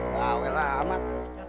wah awelah amat